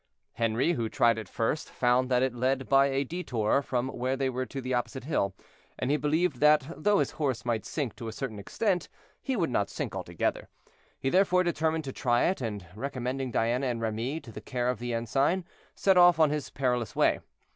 Henri, who tried it first, found that it led by a detour from where they were to the opposite hill, and he believed that though his horse might sink to a certain extent, he would not sink altogether. He therefore determined to try it, and recommending Diana and Remy to the care of the ensign, set off on his perilous way.